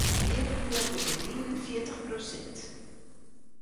Iepenje de gerdinen fjirtich prosint.